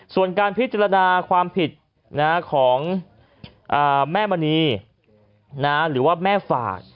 ส่วนการพิจารณาความผิดของแม่มณีหรือว่าแม่ฝาก